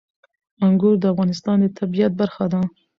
انګور د افغانستان د طبیعت برخه ده.